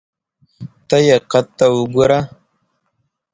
ته یې قد ته وګوره !